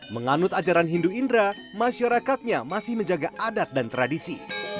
menganut ajaran hindu indra masyarakatnya masih menjaga adat dan tradisi